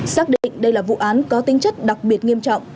xác định đây là vụ án có tính chất đặc biệt nghiêm trọng